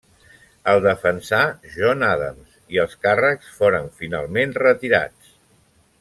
El defensà John Adams i els càrrecs foren finalment retirats.